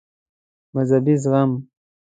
مذهبي زغم